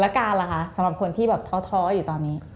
แล้วการล่ะคะสำหรับคนที่แบบท้ออยู่ตอนนี้